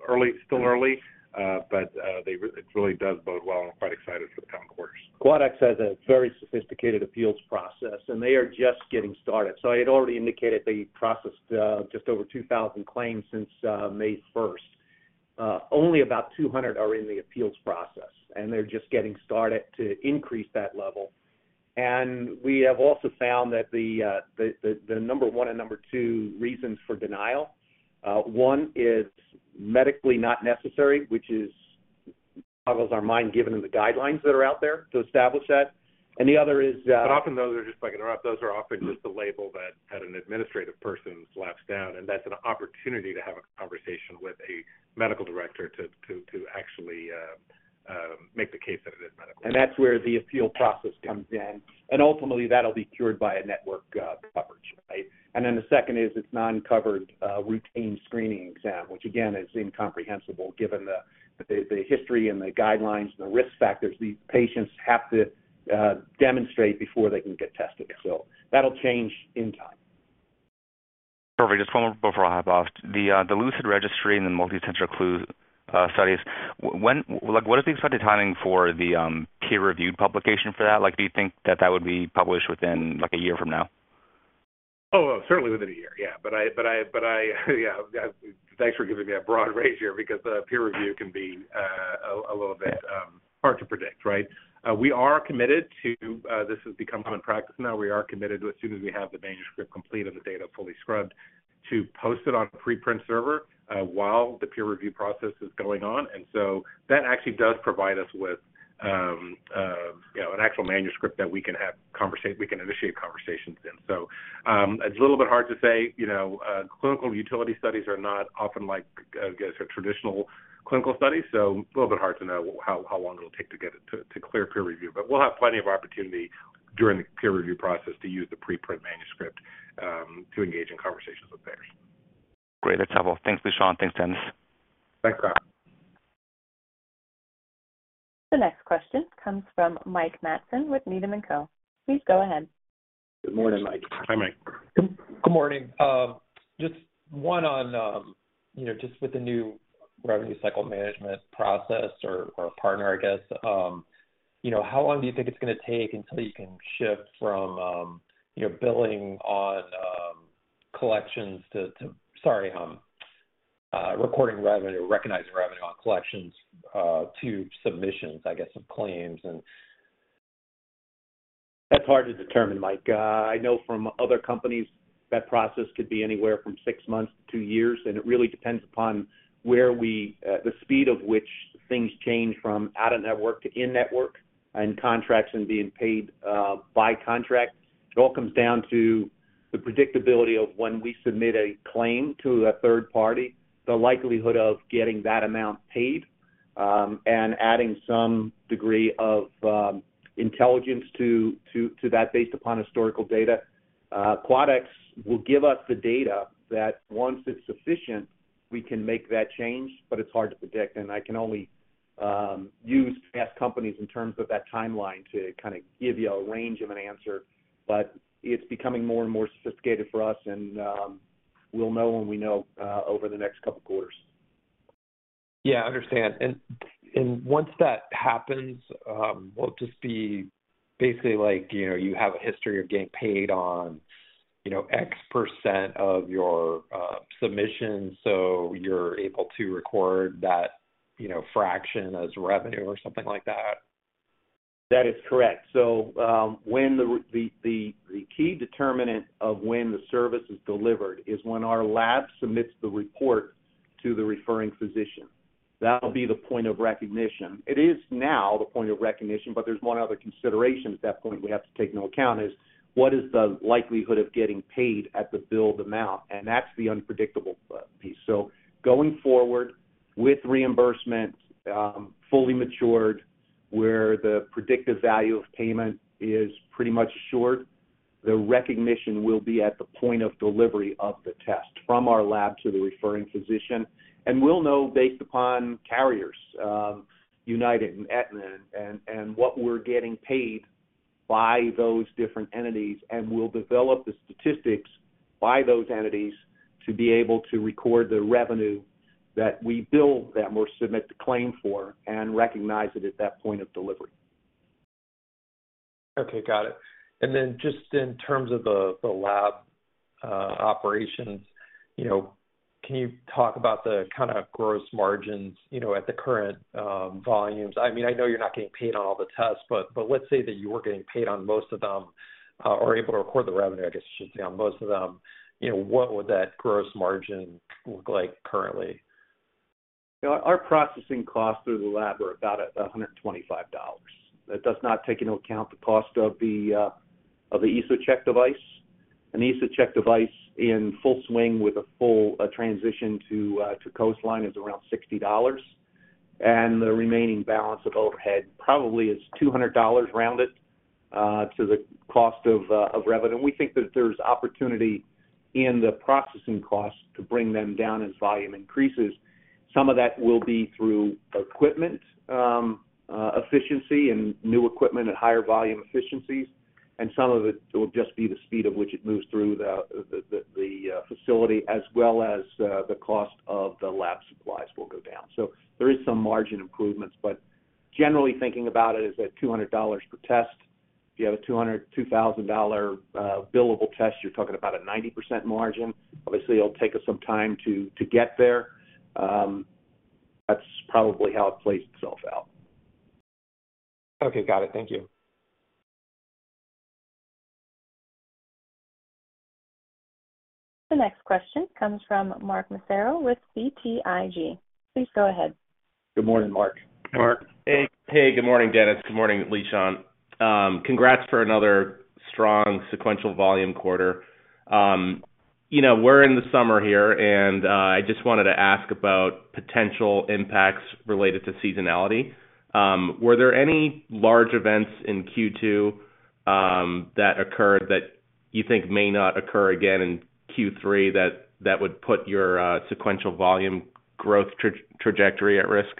Early, still early, but it really does bode well. I'm quite excited for the coming quarters. Quadax has a very sophisticated appeals process, and they are just getting started. I had already indicated they processed just over 2,000 claims since May 1st. Only about 200 are in the appeals process, and they're just getting started to increase that level. We have also found that the number 1 and number 2 reasons for denial, 1 is medically not necessary, which is, boggles our mind, given the guidelines that are out there to establish that. The other is. Often, though, just if I can interrupt, those are often just a label that had an administrative person slapped down, and that's an opportunity to have a conversation with a medical director to, to, to actually make the case that it is medically necessary. That's where the appeal process comes in. Ultimately, that'll be cured by a network, coverage, right? Then the second is, it's non-covered, routine screening exam, which again, is incomprehensible given the, the, the history and the guidelines and the risk factors these patients have to demonstrate before they can get tested. That'll change in time.... Perfect. Just one more before I hop off. The, the LUCID Registry and the multicenter CLUE studies, when, like, what is the expected timing for the peer-reviewed publication for that? Like, do you think that that would be published within, like, a year from now? Oh, well, certainly within a year. Yeah, but yeah, thanks for giving me that broad range here, because peer review can be a little bit hard to predict, right? We are committed to. This has become common practice now. We are committed to, as soon as we have the manuscript complete and the data fully scrubbed, to post it on a preprint server while the peer review process is going on. So that actually does provide us with, you know, an actual manuscript that we can initiate conversations in. It's a little bit hard to say, you know, clinical utility studies are not often like, I guess, a traditional clinical study, so a little bit hard to know how, how long it'll take to get it to, to clear peer review. We'll have plenty of opportunity during the peer review process to use the preprint manuscript, to engage in conversations with payers. Great. That's helpful. Thanks, Lishan. Thanks, Dennis. Thanks, Kyle. The next question comes from Mike Matson with Needham & Company. Please go ahead. Good morning, Mike. Hi, Mike. Good, good morning. just one on, you know, just with the new revenue cycle management process or, or partner, I guess. you know, how long do you think it's going to take until you can shift from, you know, billing on collections to Sorry, recording revenue, recognizing revenue on collections to submissions, I guess, of claims and? That's hard to determine, Mike. I know from other companies, that process could be anywhere from six months to two years, and it really depends upon where we, the speed of which things change from out-of-network to in-network and contracts and being paid, by contract. It all comes down to the predictability of when we submit a claim to a third party, the likelihood of getting that amount paid, and adding some degree of intelligence to, to, to that based upon historical data. Quadax will give us the data that once it's sufficient, we can make that change, but it's hard to predict, and I can only use past companies in terms of that timeline to kind of give you a range of an answer. It's becoming more and more sophisticated for us and, we'll know when we know, over the next couple of quarters. Yeah, I understand. Once that happens, will it just be basically like, you know, you have a history of getting paid on, you know, X% of your submissions, so you're able to record that, you know, fraction as revenue or something like that? That is correct. When the key determinant of when the service is delivered is when our lab submits the report to the referring physician. That'll be the point of recognition. It is now the point of recognition, but there's one other consideration at that point we have to take into account is, what is the likelihood of getting paid at the billed amount? That's the unpredictable piece. Going forward, with reimbursement, fully matured, where the predictive value of payment is pretty much sure, the recognition will be at the point of delivery of the test from our lab to the referring physician. We'll know based upon carriers, UnitedHealthcare and Aetna and what we're getting paid by those different entities, and we'll develop the statistics by those entities to be able to record the revenue that we bill them or submit the claim for and recognize it at that point of delivery. Okay, got it. Then just in terms of the, the lab, operations, you know, can you talk about the kind of gross margins, you know, at the current, volumes? I mean, I know you're not getting paid on all the tests, let's say that you were getting paid on most of them, or able to record the revenue, I guess I should say, on most of them. You know, what would that gross margin look like currently? Our, our processing costs through the lab are about $125. That does not take into account the cost of the EsoCheck device. An EsoCheck device in full swing with a full transition to Coastline is around $60, and the remaining balance of overhead probably is $200 rounded to the cost of revenue. We think that there's opportunity in the processing costs to bring them down as volume increases. Some of that will be through equipment efficiency and new equipment at higher volume efficiencies, and some of it will just be the speed of which it moves through the, the, the, the facility as well as the cost of the lab supplies will go down. There is some margin improvements, but generally thinking about it, is at $200 per test. If you have a $2,000 billable test, you're talking about a 90% margin. Obviously, it'll take us some time to get there. That's probably how it plays itself out. Okay, got it. Thank you. The next question comes from Mark Massaro with BTIG. Please go ahead. Good morning, Mark. Mark. Hey. Hey, good morning, Dennis. Good morning, Lishan. Congrats for another strong sequential volume quarter. You know, we're in the summer here, and I just wanted to ask about potential impacts related to seasonality. Were there any large events in Q2 that occurred that you think may not occur again in Q3, that, that would put your sequential volume growth trajectory at risk?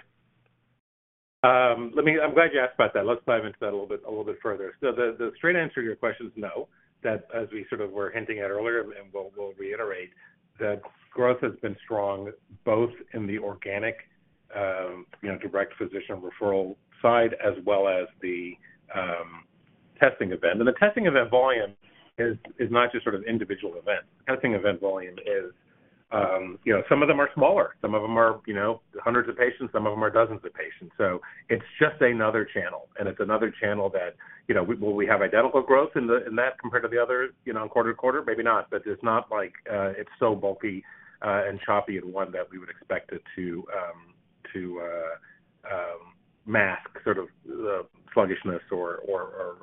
Let me, I'm glad you asked about that. Let's dive into that a little bit, a little bit further. The, the straight answer to your question is no. That as we sort of were hinting at earlier, and we'll, we'll reiterate, the growth has been strong, both in the organic, you know, direct physician referral side, as well as the, testing event. The testing event volume is, is not just sort of individual events. Testing event volume is, you know, some of them are smaller, some of them are, you know, hundreds of patients, some of them are dozens of patients. It's just another channel, and it's another channel that, you know, will we have identical growth in the-- in that compared to the other, you know, quarter to quarter? Maybe not, but it's not like it's so bulky, and choppy and one that we would expect it to mask sort of the sluggishness or, or, or,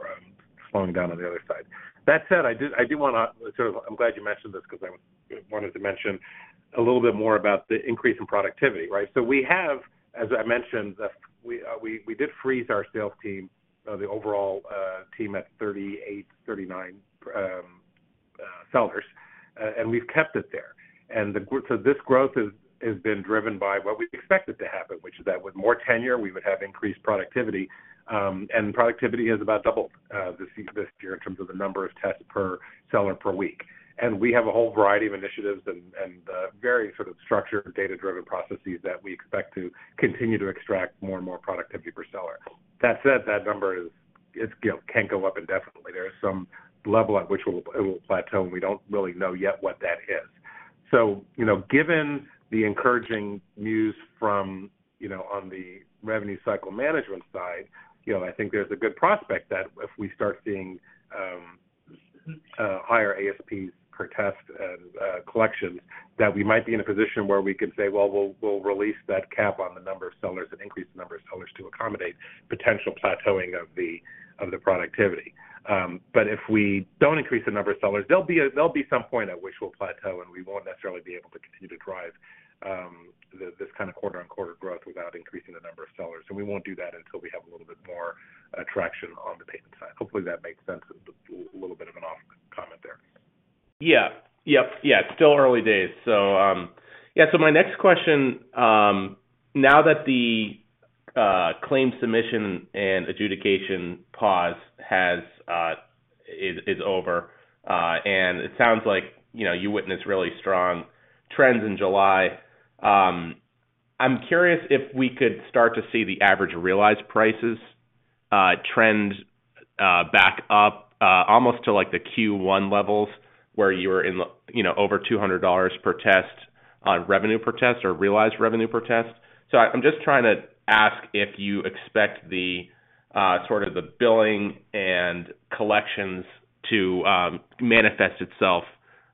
slowing down on the other side. That said, I did, I do wanna sort of, I'm glad you mentioned this because I wanted to mention a little bit more about the increase in productivity, right? We have, as I mentioned, we, we did freeze our sales team, the overall team at 38, 39 sellers, and we've kept it there. This growth has, has been driven by what we expected to happen, which is that with more tenure, we would have increased productivity. Productivity is about double this year in terms of the number of tests per seller per week. We have a whole variety of initiatives and, and, very sort of structured, data-driven processes that we expect to continue to extract more and more productivity per seller. That said, that number is, it's, you know, can't go up indefinitely. There is some level at which it will, it will plateau, and we don't really know yet what that is. You know, given the encouraging news from, you know, on the revenue cycle management side, you know, I think there's a good prospect that if we start seeing higher ASPs per test and collections, that we might be in a position where we can say, "Well, we'll, we'll release that cap on the number of sellers and increase the number of sellers to accommodate potential plateauing of the, of the productivity". If we don't increase the number of sellers, there'll be some point at which we'll plateau, and we won't necessarily be able to continue to drive this, this kind of quarter-on-quarter growth without increasing the number of sellers. We won't do that until we have a little bit more traction on the payment side. Hopefully, that makes sense. It's a little bit of an off comment there. Yep, yeah, it's still early days. My next question, now that the claim submission and adjudication pause has is over, and it sounds like you witnessed really strong trends in July, I'm curious if we could start to see the average realized prices trend back up almost to like the Q1 levels, where you were in the over $200 per test on revenue per test or realized revenue per test. I'm just trying to ask if you expect the sort of the billing and collections to manifest itself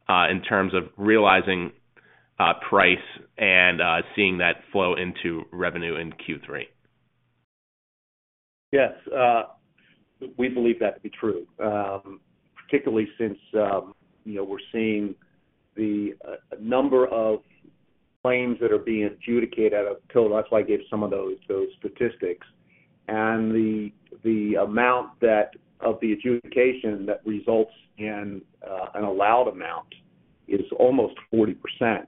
in terms of realizing price and seeing that flow into revenue in Q3. Yes, we believe that to be true, particularly since, you know, we're seeing the number of claims that are being adjudicated out of that's why I gave some of those, those statistics. The, the amount that, of the adjudication that results in an allowed amount is almost 40%,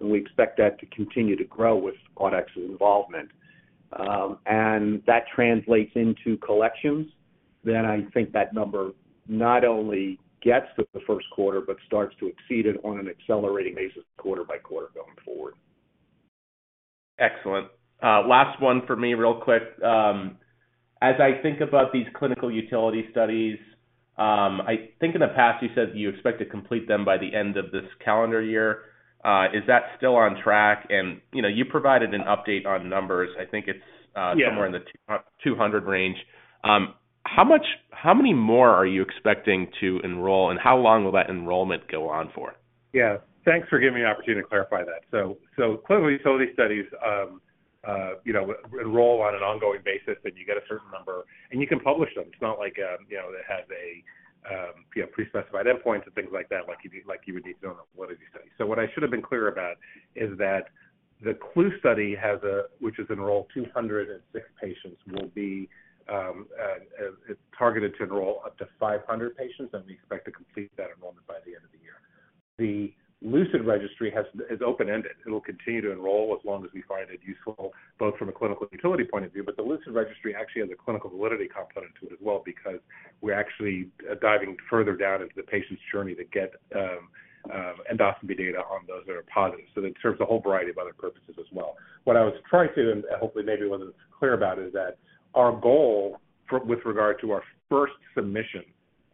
and we expect that to continue to grow with Quadax's involvement. That translates into collections, then I think that number not only gets to the first quarter but starts to exceed it on an accelerating basis quarter by quarter going forward. Excellent. Last one for me, real quick. As I think about these clinical utility studies, I think in the past, you said you expect to complete them by the end of this calendar year. Is that still on track? You know, you provided an update on numbers. Yeah. somewhere in the 200 range. How much how many more are you expecting to enroll, and how long will that enrollment go on for? Yeah. Thanks for giving me the opportunity to clarify that. So clinical utility studies, you know, enroll on an ongoing basis, and you get a certain number, and you can publish them. It's not like, you know, it has a, you know, pre-specified endpoint and things like that, like you, like you would need to know in one of these studies. What I should have been clear about is that the CLUE Study has a, which has enrolled 206 patients, will be, is targeted to enroll up to 500 patients, and we expect to complete that enrollment by the end of the year. The LUCID Registry has is open-ended. It will continue to enroll as long as we find it useful, both from a clinical utility point of view, but the LUCID Registry actually has a clinical validity component to it as well, because we're actually diving further down into the patient's journey to get endoscopy data on those that are positive. It serves a whole variety of other purposes as well. What I was trying to, and hopefully maybe wasn't clear about, is that our goal with regard to our first submission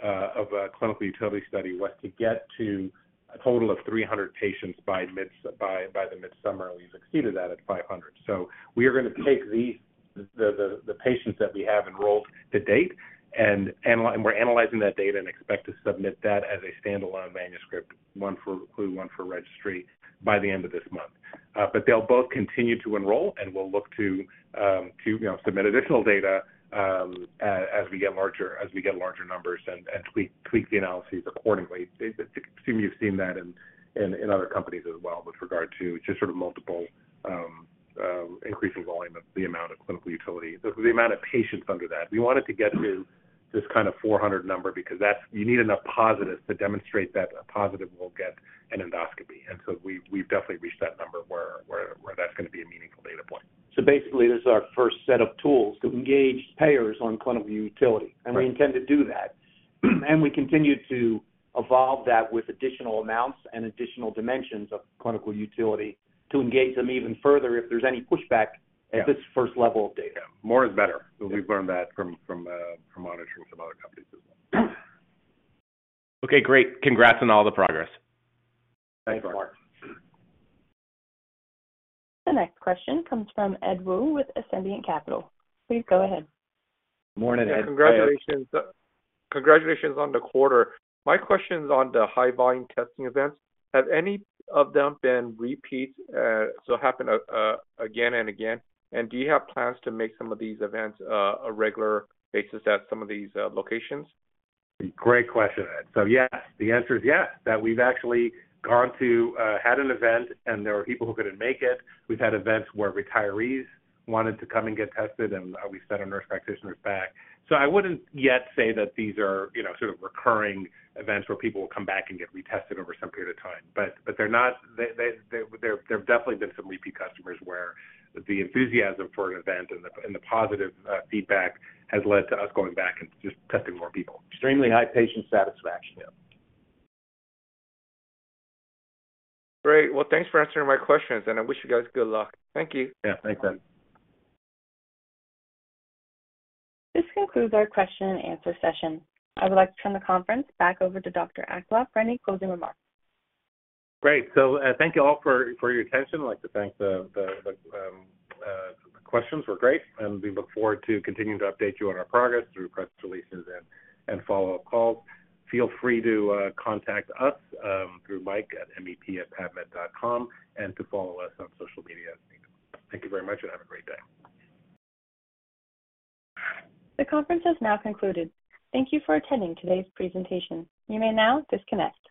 of a clinical utility study, was to get to a total of 300 patients by by the mid-summer, and we've exceeded that at 500. We are gonna take these, the patients that we have enrolled to date, and we're analyzing that data and expect to submit that as a standalone manuscript, one for CLUE, one for LUCID Registry, by the end of this month. But they'll both continue to enroll, and we'll look to, you know, submit additional data, as we get larger, as we get larger numbers and, and tweak, tweak the analyses accordingly. It seem you've seen that in, in, in other companies as well with regard to just sort of multiple, increasing volume of the amount of clinical utility, the amount of patients under that. We wanted to get to this kind of 400 number, because that's, you need enough positives to demonstrate that a positive will get an endoscopy. We've, we've definitely reached that number where, where, where that's gonna be a meaningful data point. Basically, this is our first set of tools to engage payers on clinical utility, and we intend to do that. We continue to evolve that with additional amounts and additional dimensions of clinical utility to engage them even further if there's any pushback. Yeah. at this first level of data. Yeah, more is better. We've learned that from, from, from monitoring some other companies as well. Okay, great. Congrats on all the progress. Thanks, Mark. The next question comes from Ed Woo with Ascendiant Capital. Please go ahead. Morning, Ed. Congratulations, congratulations on the quarter. My question is on the high volume testing events. Have any of them been repeat, so happen, again and again? Do you have plans to make some of these events a regular basis at some of these locations? Great question, Ed. Yes, the answer is yes, that we've actually gone to had an event, and there were people who couldn't make it. We've had events where retirees wanted to come and get tested, and we sent our nurse practitioners back. I wouldn't yet say that these are, you know, sort of recurring events where people will come back and get retested over some period of time. They're not... There have definitely been some repeat customers where the enthusiasm for an event and the and the positive feedback has led to us going back and just testing more people. Extremely high patient satisfaction. Yeah. Great. Well, thanks for answering my questions. I wish you guys good luck. Thank you. Yeah. Thanks, Ed. This concludes our question and answer session. I would like to turn the conference back over to Dr. Aklog for any closing remarks. Great. Thank you all for, for your attention. I'd like to thank the, the, the questions were great, and we look forward to continuing to update you on our progress through press releases and, and follow-up calls. Feel free to contact us through Mike at mep@pathmed.com, and to follow us on social media as needed. Thank you very much, and have a great day. The conference has now concluded. Thank you for attending today's presentation. You may now disconnect.